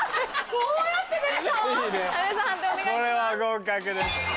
これは合格です。